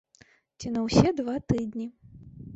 Ці на ўсе два тыдні.